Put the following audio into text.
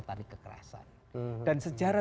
tali kekerasan dan sejarah